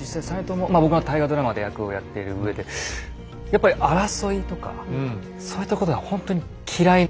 実際実朝僕が大河ドラマで役をやっているうえでやっぱり争いとかそういったことがほんとに嫌い。